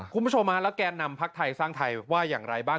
คุณผู้ชมฮะแล้วแกนนำพักไทยสร้างไทยว่าอย่างไรบ้าง